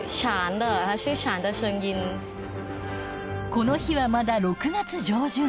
この日はまだ６月上旬。